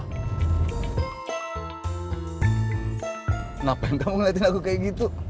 kenapa yang kamu ngeliatin lagu kayak gitu